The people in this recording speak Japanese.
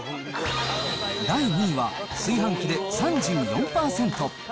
第２位は炊飯器で、３４％。